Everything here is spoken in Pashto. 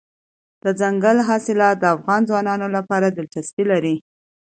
دځنګل حاصلات د افغان ځوانانو لپاره دلچسپي لري.